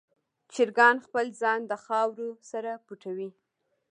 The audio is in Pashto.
چرګان خپل ځان د خاورو سره پټوي.